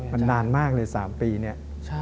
มันนานมากเลย๓ปีเนี่ย